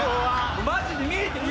マジで見えてる